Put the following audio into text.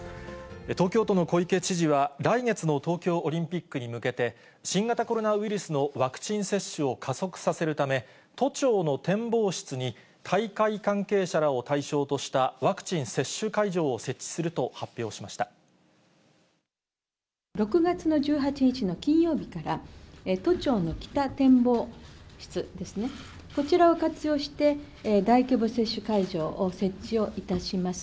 東京都の小池知事は、来月の東京オリンピックに向けて、新型コロナウイルスのワクチン接種を加速させるため、都庁の展望室に大会関係者らを対象としたワクチン接種会場を設置６月の１８日の金曜日から、都庁の北展望室ですね、こちらを活用して、大規模接種会場を設置をいたします。